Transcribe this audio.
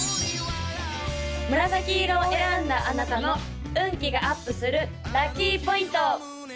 紫色を選んだあなたの運気がアップするラッキーポイント！